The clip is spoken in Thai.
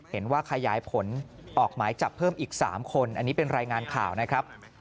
ขยายผลออกหมายจับเพิ่มอีก๓คนอันนี้เป็นรายงานข่าวนะครับ